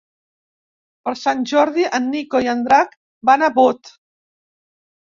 Per Sant Jordi en Nico i en Drac van a Bot.